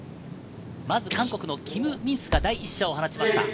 まず韓国のキム・ミンスが第１射を放ちました。